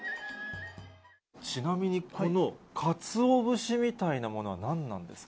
ちなみにこのかつお節みたいなものは何なんですか。